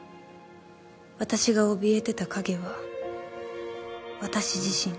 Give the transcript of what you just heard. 私が怯えてた影は私自身